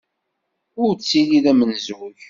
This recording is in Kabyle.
Ur ttili d amenzug.